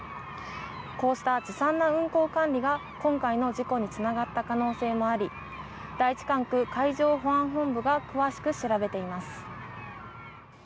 こうしたずさんな運航管理が今回の事故につながった可能性もあり第一管区海上保安本部が詳しく調べています。